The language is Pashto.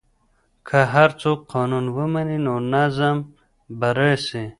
که هر څوک قانون ومني نو نظم به راسي.